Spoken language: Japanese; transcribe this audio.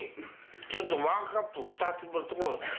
ちょっとワンカップ２つ持ってこい。